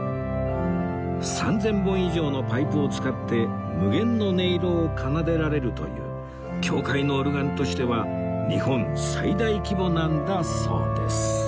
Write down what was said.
３０００本以上のパイプを使って無限の音色を奏でられるという教会のオルガンとしては日本最大規模なんだそうです